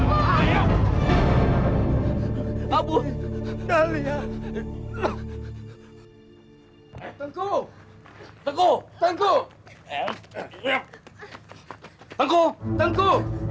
buat apa kalian bawa perempuan ini ke rumah ini